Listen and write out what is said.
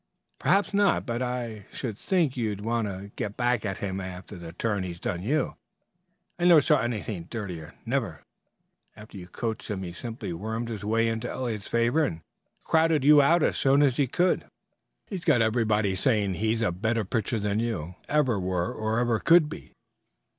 "Perhaps not, but I should think you'd want to get back at him after the turn he's done you. I never saw anything dirtier never. After you coached him he simply wormed his way into Eliot's favor and crowded you out as soon as he could. He's got everybody saying that he's a better pitcher than you ever were or ever could be.